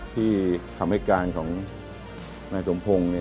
ที่คำให้การของนายสมพงศ์